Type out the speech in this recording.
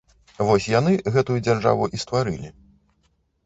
Вось яны гэтую дзяржаву і стварылі.